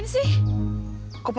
aku sudah selesai menangkap kamu